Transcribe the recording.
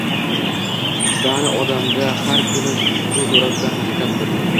Bani Odamda har kuni bu suratlar haqiqatdir